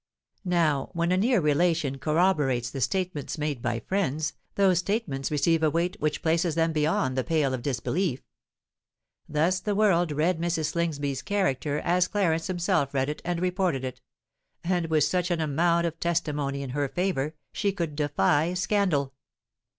Now, when a near relation corroborates the statements made by friends, those statements receive a weight which places them beyond the pale of disbelief. Thus the world read Mrs. Slingsby's character as Clarence himself read it and reported it; and with such an amount of testimony in her favour, she could defy scandal.